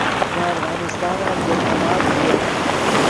دے افغانستان ام در نماز ڤیو